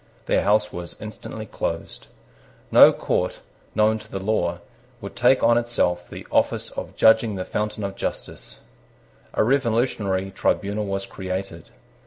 Their house was instantly closed. No court, known to the law, would take on itself the office of judging the fountain of justice. A revolutionary tribunal was created.